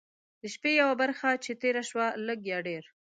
د شپې یوه برخه چې تېره شوه لږ یا ډېر.